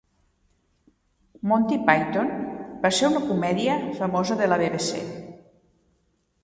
Monty Python va ser una comèdia famosa de la BBC